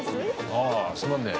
ああすまんね。